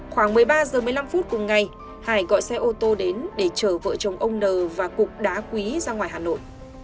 khoảng một mươi ba h một mươi năm phút cùng ngày hải gọi xe ô tô đến để chở vợ chồng ông n và cục đá quý ra ngoài hà nội